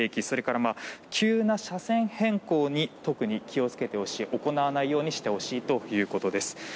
それから急な車線変更に特に気を付けてほしい行わないようにしてほしいということです。